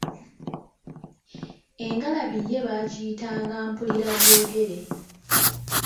Engalabi ye baagiyitanga Mpulirabyogere.